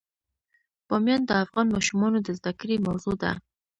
بامیان د افغان ماشومانو د زده کړې موضوع ده.